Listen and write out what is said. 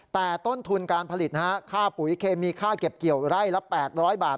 แต่ต้นทุนการผลิตค่าปุ๋ยเคมีค่าเก็บเกี่ยวไร่ละ๘๐๐บาท